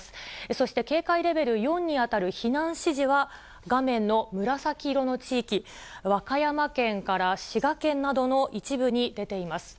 そして、警戒レベル４に当たる避難指示は、画面の紫色の地域、和歌山県から滋賀県などの一部に出ています。